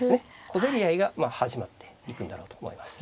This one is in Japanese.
小競り合いが始まっていくんだろうと思います。